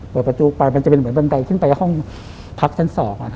เปิดประตูไปมันจะเป็นเหมือนบันไดขึ้นไปห้องพักชั้น๒